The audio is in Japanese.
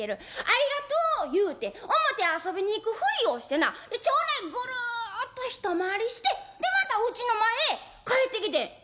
ありがとう言うて表遊びに行くふりをしてな町内ぐるっと一回りしてでまたうちの前へ帰ってきてん」。